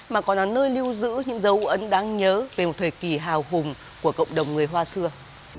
mà còn là nơi lưu giữ những dấu ấn đáng nhớ về một thời kỳ hào hùng của cộng đồng người hoa xưa